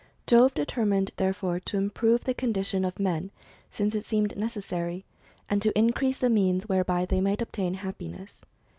Jove determined therefore to improve the condition of men, since it seemed necessary, and to increase the means whereby they might obtain happiness.